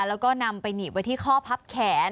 แล้วก็นำไปหนีบไว้ที่ข้อพับแขน